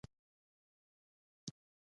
کمپیوټر یوازې د دې ژبې له لارې پوهېږي.